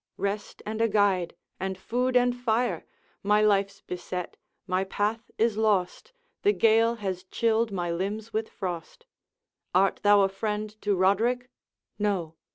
'Rest and a guide, and food and fire My life's beset, my path is lost, The gale has chilled my limbs with frost.' 'Art thou a friend to Roderick?' 'No.'